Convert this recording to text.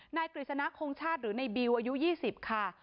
กฤษณะคงชาติหรือในบิวอายุ๒๐ค่ะ